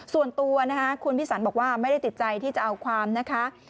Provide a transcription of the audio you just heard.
ส่วนตัวนะคะคุณพี่สันบอกว่าไม่ได้ติดใจที่จะเอาความนะคะ